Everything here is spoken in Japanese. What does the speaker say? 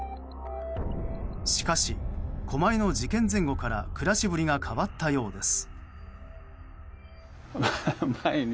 しかし、狛江の事件前後から暮らしぶりが変わったようです。